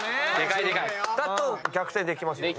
だと逆転できますもんね。